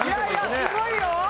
すごいよ。